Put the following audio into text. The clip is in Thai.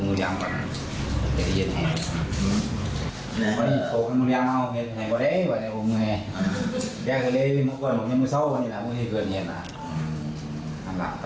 มันทั้งหมู่พิษก็เผาครับ